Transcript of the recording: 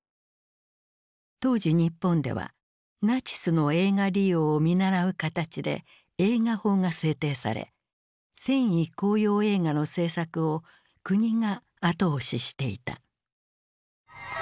当時日本ではナチスの映画利用を見習う形で映画法が制定され戦意高揚映画の製作を国が後押ししていた。